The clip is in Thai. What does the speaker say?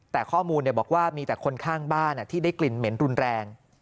แต่ข้อมูลบอกว่ามีแต่คนข้างบ้านที่ได้กลิ่นเหม็นรุนแรง